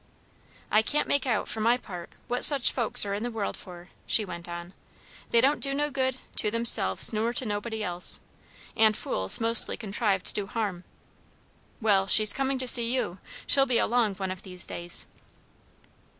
"I can't make out, for my part, what such folks are in the world for," she went on. "They don't do no good, to themselves nor to nobody else. And fools mostly contrive to do harm. Well she's coming to see you; she'll be along one of these days."